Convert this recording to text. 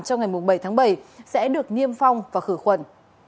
trong ngày bảy tháng bảy sẽ được niêm phong và khử khuẩn